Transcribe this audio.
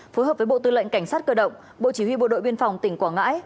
phối hợp với bộ tư lệnh cảnh sát cơ động bộ chỉ huy bộ đội biên phòng tỉnh quảng ngãi